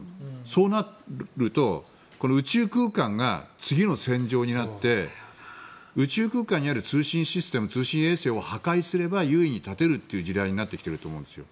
そうなると宇宙空間が次の戦場になって宇宙空間にある通信システム通信衛星を破壊すれば優位に立てるという時代になってきてると思うんですよ。